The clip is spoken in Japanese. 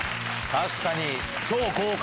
確かに。